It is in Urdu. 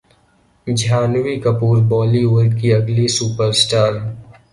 جھانوی کپور بولی وڈ کی اگلی سپر اسٹار